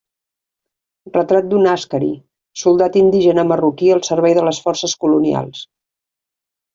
Retrat d'un àscari, soldat indígena marroquí al servei de les forces colonials.